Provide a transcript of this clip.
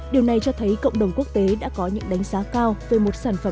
điều này cho thấy cộng đồng quốc tế đã có những đánh giá cao về một sản phẩm